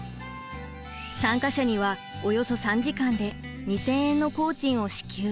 参加者にはおよそ３時間で２，０００円の工賃を支給。